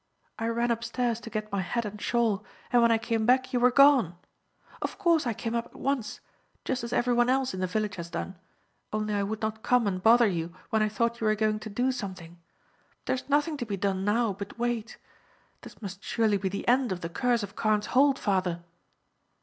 I ran upstairs to get my hat and shawl, and when I came back you were gone. Of course, I came up at once, just as every one else in the village has done, only I would not come and bother you when I thought you were going to do something. But there's nothing to be done now but wait. This must surely be the end of the curse of Carne's Hold, father?"